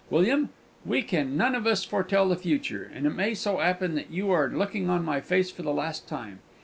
William, we can none of us foretell the future; and it may so 'appen that you are looking on my face for the last time.